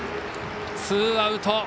ツーアウト。